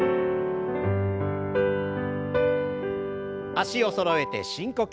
脚をそろえて深呼吸。